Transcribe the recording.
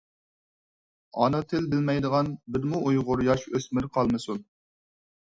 ئانا تىل بىلمەيدىغان بىرمۇ ئۇيغۇر ياش-ئۆسمۈر قالمىسۇن!